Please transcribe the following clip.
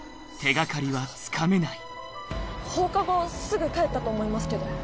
放課後すぐ帰ったと思いますけど。